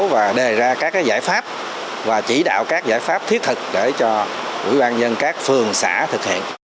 và đề ra các giải pháp và chỉ đạo các giải pháp thiết thực để cho quỹ ban dân các phường xã thực hiện